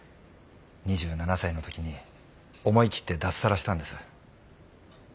２７歳の時に思い切って脱サラしたんです。